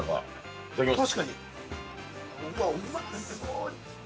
いただきます。